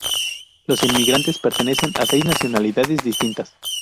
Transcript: Los inmigrantes pertenecen a seis nacionalidades distintas.